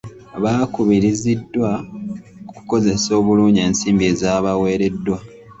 Baakubiriziddwa okukozesa obulungi ensimbi ezaabaweereddwa.